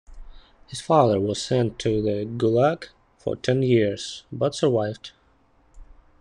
His father was sent to the Gulag for ten years but survived.